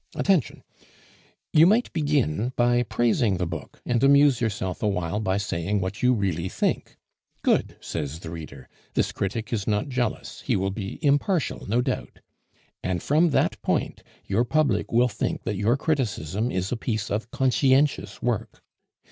Attention! You might begin by praising the book, and amuse yourself a while by saying what you really think. 'Good,' says the reader, 'this critic is not jealous; he will be impartial, no doubt,' and from that point your public will think that your criticism is a piece of conscientious work.